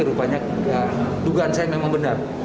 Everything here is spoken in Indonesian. rupanya dugaan saya memang benar